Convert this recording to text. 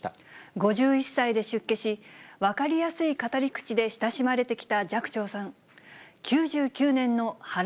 ５１歳で出家し、分かりやすい語り口で親しまれてきた寂聴さん。